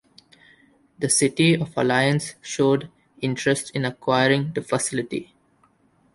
The city of Alliance showed interest in acquiring the facility.